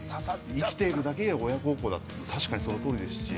◆生きてるだけで親孝行って確かにそのとおりですし。